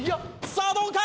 さあどうか？